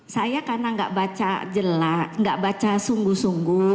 saya karena gak baca jelas gak baca sungguh sungguh